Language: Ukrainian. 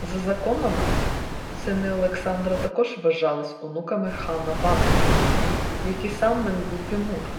За законами, сини Олександра також вважалися онуками хана Бату, як і сам Менгу-Тимур